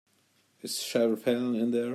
Is Sheriff Helen in there?